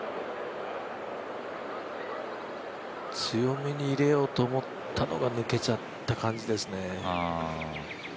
強めに入れようと思ったのが抜けちゃった感じですね。